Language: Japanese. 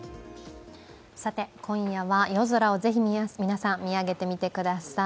今夜は夜空をぜひ皆さん見上げてみてください。